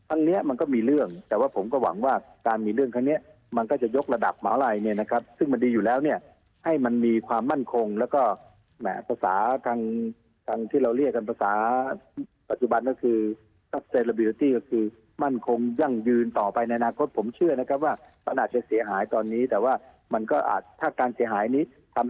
อันนี้มันก็มีเรื่องแต่ว่าผมก็หวังว่าการมีเรื่องครั้งนี้มันก็จะยกระดับหมาลัยเนี่ยนะครับซึ่งมันดีอยู่แล้วเนี่ยให้มันมีความมั่นคงแล้วก็แหมภาษาทางทางที่เราเรียกกันภาษาปัจจุบันก็คือมั่นคงยั่งยืนต่อไปในอนาคตผมเชื่อนะครับว่ามันอาจจะเสียหายตอนนี้แต่ว่ามันก็อาจถ้าการเสียหายนี้ทำ